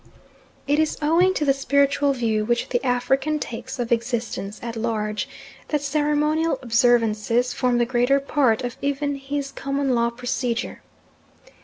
It is owing to the spiritual view which the African takes of existence at large that ceremonial observances form the greater part of even his common law procedure.